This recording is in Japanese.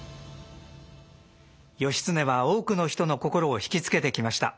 義経は多くの人の心を引き付けてきました。